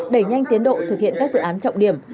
đẩy nhanh tiến độ thực hiện các dự án trọng điểm